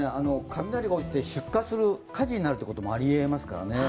雷が落ちて失火する、火事になることもありえますからね。